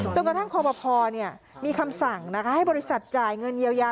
กระทั่งคอปภมีคำสั่งให้บริษัทจ่ายเงินเยียวยา